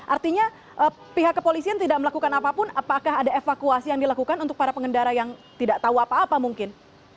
artinya pihak kepolisian tidak melakukan apapun apakah ada evakuasi yang dilakukan untuk para pengendara yang tidak tahu apa apa mungkin